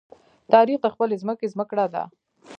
تاریخ د خپلې ځمکې زمکړه ده.